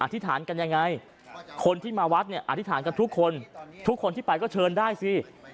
ธิษฐานกันยังไงคนที่มาวัดเนี่ยอธิษฐานกันทุกคนทุกคนที่ไปก็เชิญได้สิ